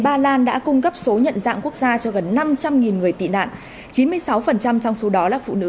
ba lan đã cung cấp số nhận dạng quốc gia cho gần năm trăm linh người tị nạn chín mươi sáu trong số đó là phụ nữ